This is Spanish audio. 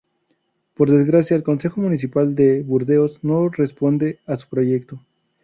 Por desgracia, el Consejo Municipal de Burdeos no responde a su proyecto.